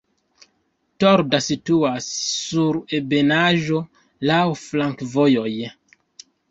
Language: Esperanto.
Torda situas sur ebenaĵo, laŭ flankovojoj.